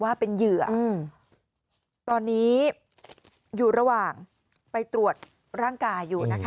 ว่าเป็นเหยื่อตอนนี้อยู่ระหว่างไปตรวจร่างกายอยู่นะคะ